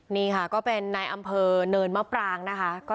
นี่ค่ะก็เป็นนายอำเภอเนินมะปรางนะคะ